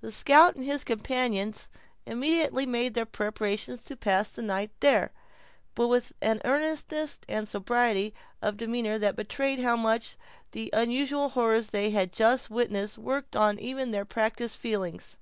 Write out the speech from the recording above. The scout and his companions immediately made their preparations to pass the night there; but with an earnestness and sobriety of demeanor that betrayed how much the unusual horrors they had just witnessed worked on even their practised feelings.